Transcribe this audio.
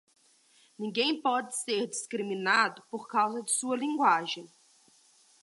Ninguém pode ser discriminado por causa de sua linguagem.